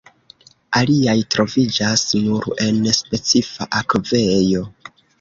Aliaj troviĝas nur en specifa akvejo.